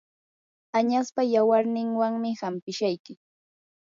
añaspa yawarninwanmi hanpishayki.